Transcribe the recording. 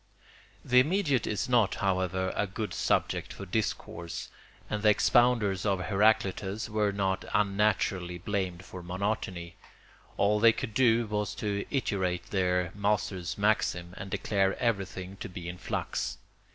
] The immediate is not, however, a good subject for discourse, and the expounders of Heraclitus were not unnaturally blamed for monotony. All they could do was to iterate their master's maxim, and declare everything to be in flux.